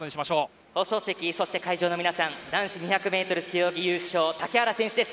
放送席、そして会場の皆さん男子２００ｍ背泳ぎ優勝竹原選手です。